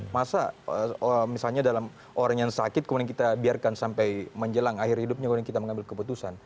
masa misalnya dalam orang yang sakit kemudian kita biarkan sampai menjelang akhir hidupnya kemudian kita mengambil keputusan